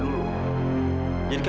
sudah muncul dia